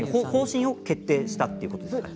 方針を決定したということです。